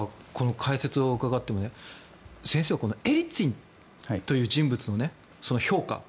僕はこの解説を伺って先生、このエリツィンという人物の評価。